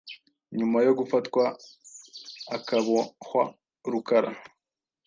Nyuma yo gufatwa akabohwa Rukara